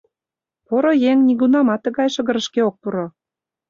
Поро еҥ нигунамат тыгай шыгырышке ок пуро.